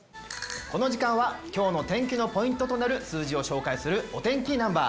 この時間は今日の天気のポイントとなる数字を紹介するお天気ナンバー。